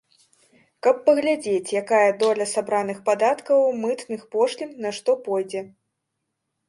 Каб паглядзець, якая доля сабраных падаткаў, мытных пошлін на што пойдзе.